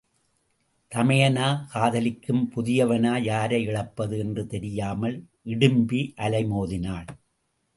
தமையனா காதலிக்கும் புதியவனா யாரை இழப்பது என்று தெரியாமல் இடிம்பி அலைமோதினாள்.